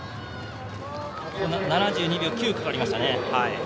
７２秒９かかりました。